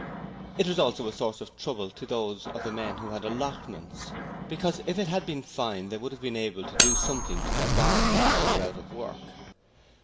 It was also a source of trouble to those of the men who had allotments, because if it had been fine they would have been able to do something to their gardens while they were out of work.